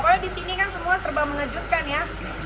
pokoknya disini kan semua serba mengejutkan ya